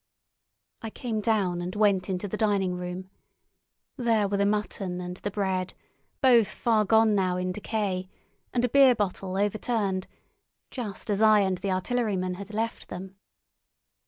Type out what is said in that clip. I came down and went into the dining room. There were the mutton and the bread, both far gone now in decay, and a beer bottle overturned, just as I and the artilleryman had left them.